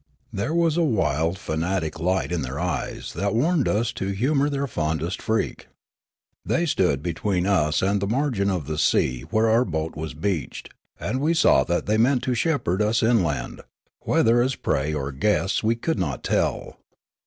There w'as a wild, fanatic light in their ej es that warned us to humour their fondest freak. They stood between us and the margin of the sea where our boat was beached, and we saw that they meant to shepherd us inland, whether as pre} or guests we could 199 200 Riallaro not tell.